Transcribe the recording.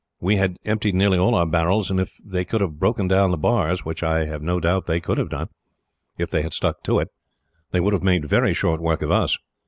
We had emptied nearly all our barrels, and if they could have broken down the bars, which I have no doubt they could have done, if they had stuck to it, they would have made very short work of us."